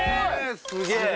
すげえ。